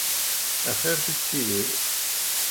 Axiṛ tikti-iw.